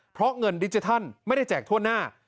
เพราะเงินดิจิทัลไม่ได้แจกทั่วหน้า